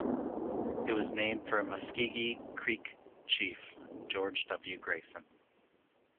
It was named for a Muscogee Creek chief, George W. Grayson.